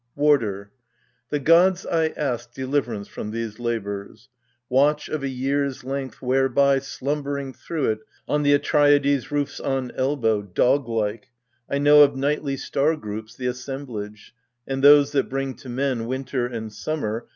WARDER. The gods I ask deliverance from these labours, Watch of a year's length whereby, slumbering through it On the Atreidai's roofs on elbow, — dog like — I know of nightly star groups the assemblage, And those that bring to men winter and summer.